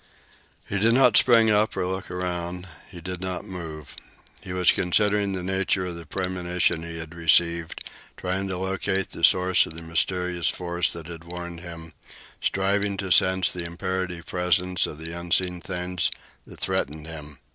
He did not spring up nor look around. He did not move. He was considering the nature of the premonition he had received, trying to locate the source of the mysterious force that had warned him, striving to sense the imperative presence of the unseen thing that threatened him.